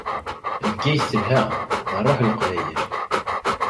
Bgayet telha, d rruḥ n Leqbayel.